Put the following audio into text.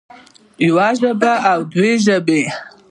يوه ژبه او دوه ژبې